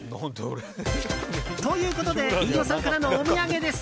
ということで飯尾さんからのお土産です。